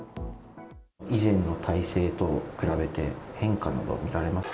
以前の体制と比べて、変化など見られますか？